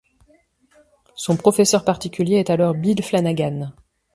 Son professeur particulier est alors Bill Flanagan.